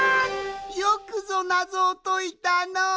よくぞナゾをといたの！